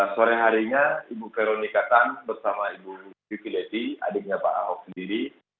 sore harinya ibu veronika tan bersama ibu vivi leti adiknya pak ahok sendiri